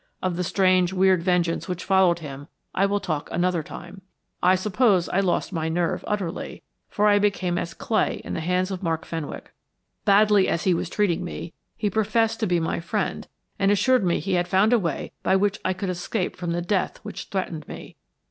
Of the strange weird vengeance which followed him I will talk another time. I suppose I lost my nerve utterly, for I became as clay in the hands of Mark Fenwick. Badly as he was treating me, he professed to be my friend, and assured me he had found a way by which I could escape from the death which threatened me.